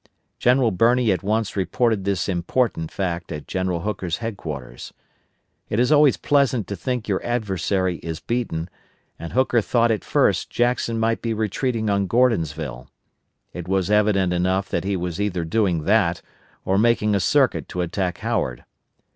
General Birney at once reported this important fact at General Hooker's headquarters. It is always pleasant to think your adversary is beaten, and Hooker thought at first Jackson might be retreating on Gordonsville. It was evident enough that he was either doing that or making a circuit to attack Howard.